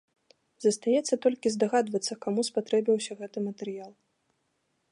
Застаецца толькі здагадвацца, каму спатрэбіўся гэты матэрыял.